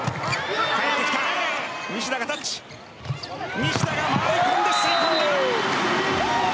西田が回り込んで吸い込んだ。